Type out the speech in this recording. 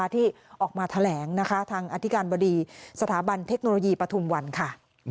ที่ออกมาแถลงนะคะทางอธิการบดีสถาบันเทคโนโลยีปฐุมวันค่ะ